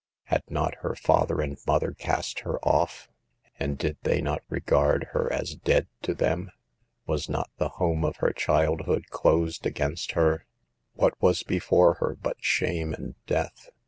Had not her father and mother cast her off, and did they not regard her as dead to them ? Was not the home of her childhood closed against her? What was before her but shame and death?